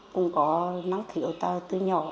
cũng có nắng hiểu từ nhỏ